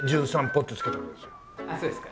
あっそうですか。